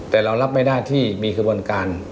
แต่เรารับไม่ได้ที่มีขบวนการ